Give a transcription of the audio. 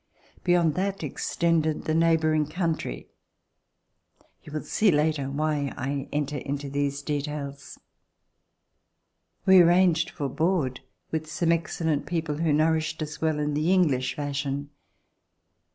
Beyond that extended the neighboring country. You will see later why I enter into these details. We arranged for board with some excellent people, who nourished us well in the English fashion.